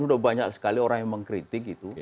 sudah banyak sekali orang yang mengkritik itu